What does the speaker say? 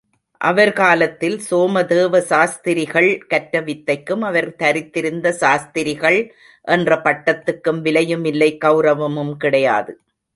அவர் காலத்தில் சோமதேவ சாஸ்திரிகள் கற்ற வித்தைக்கும் அவர் தரித்திருந்த சாஸ்திரிகள் என்ற பட்டத்துக்கும் விலையுமில்லை, கெளரவமும் கிடையாது.